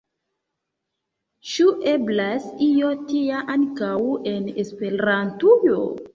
Ĉu eblas io tia ankaŭ en Esperantujo?